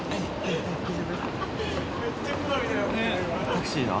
タクシーだ。